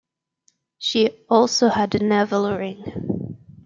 She also had a navel ring.